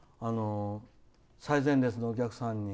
最前列のお客さんに。